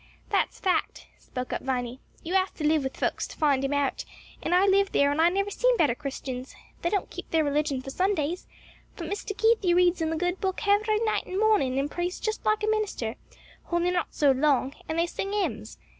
"That's a fact," spoke up Viny. "You 'ave to live with folks to find 'em out, and I've lived there and I never seen better Christians; they don't keep their religion for Sundays, but Mr. Keith 'e reads in the good book hevery night and mornin' and prays just like a minister honly not so long and they sing 'ymns.